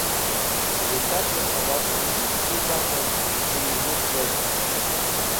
Wizake Sababen yi Damer Z̃hu yinuk Wezde